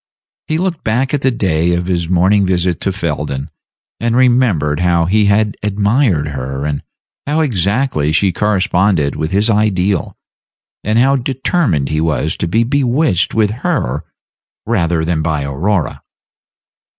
He looked back at the day of his morning visit to Felden, and remembered how he had admired her, and Page 28 how exactly she corresponded with his ideal, and how determined he was to be bewitched with her rather than by Aurora.